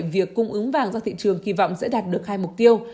việc cung ứng vàng ra thị trường kỳ vọng sẽ đạt được hai mục tiêu